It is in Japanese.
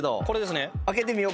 これですね。